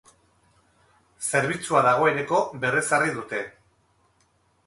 Zerbitzua dagoeneko berrezarri dute.